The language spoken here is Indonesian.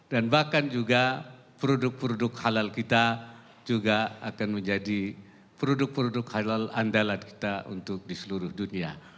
dan bahkan juga produk produk halal kita juga akan menjadi produk produk halal andalan kita untuk di seluruh dunia